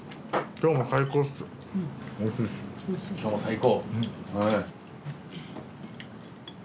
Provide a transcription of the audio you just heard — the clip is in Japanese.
今日も最高。